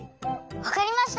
わかりました。